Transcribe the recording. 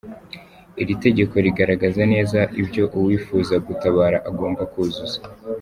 Iri tegeko rigaragaza neza ibyo uwifuza gutabara agomba kuzuza.